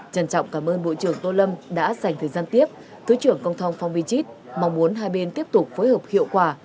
trân trọng cảm ơn bộ trưởng tô lâm đã dành thời gian tiếp thứ trưởng công thong phong vi chít mong muốn hai bên tiếp tục phối hợp hiệu quả